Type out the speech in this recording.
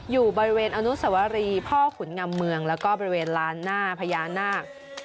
อยู่บริเวณอนุสวรีพ่อขุนงำเมืองแล้วก็บริเวณลานหน้าพญานาค